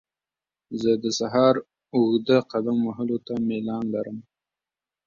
زه د سهار اوږده قدم وهلو ته میلان لرم.